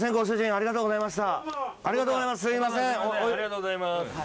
ありがとうございます。